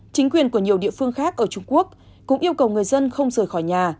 chính quyền của nhiều địa phương khác ở trung quốc cũng yêu cầu người dân không rời khỏi nhà